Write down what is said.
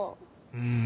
うん。